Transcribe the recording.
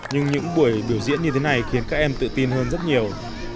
nhưng những buổi biểu diễn như thế này khiến các em tự tin hơn rất nhiều